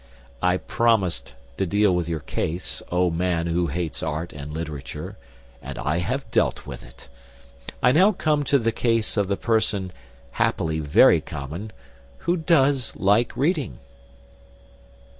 I promised to deal with your case, O man who hates art and literature, and I have dealt with it. I now come to the case of the person, happily very common, who does "like reading."